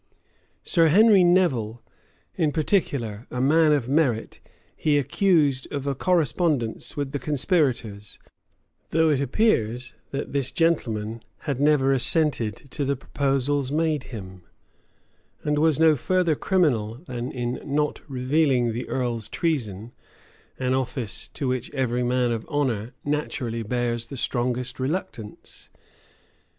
[*] Sir Henry Nevil, in particular, a man of merit, he accused of a correspondence with the conspirators though it appears that this gentleman had never assented to the proposals made him, and was no further criminal than in not revealing the earl's treason; an office to which every man of honor naturally bears the strongest reluctance.